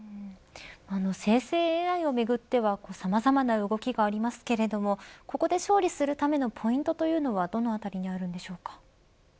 生成ＡＩをめぐってはさまざまな動きがありますけれどもここで勝利するためのポイントというのはどのあたりにあるんでしょうか。